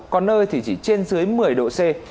có nơi thì chỉ trên dưới một mươi độ c